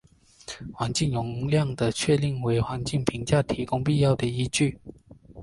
环境容量的确定为环境评价提供必要的依据。